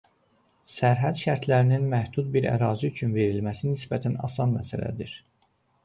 Sərhəd şərtlərinin məhdud bir ərazi üçün verilməsi nisbətən asan məsələdir.